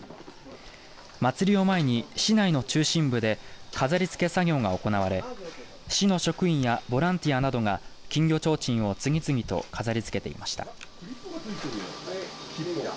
祭りを前に市内の中心部で飾りつけ作業が行われ市の職員やボランティアなどが金魚ちょうちんを次々と飾りつけていました。